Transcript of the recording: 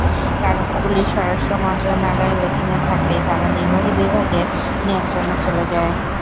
কারণ পুলিশ স্বরাষ্ট্র মন্ত্রণালয়ের অধীনে থাকলেই তারা নির্বাহী বিভাগের নিয়ন্ত্রণে চলে যায়।